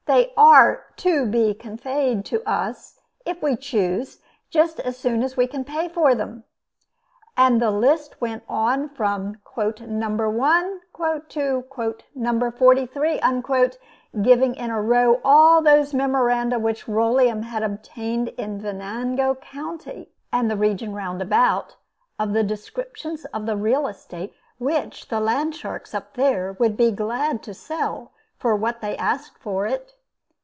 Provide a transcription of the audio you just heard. They are to 'to be conveyed' to us if we choose just as soon as we can pay for them." And then the list went on from "No. 1" to "No. 43," giving in a row all those memoranda which Rolleum had obtained in Venango County and the region round about, of the descriptions of the real estate which the landsharks up there would be glad to sell for what they asked for it.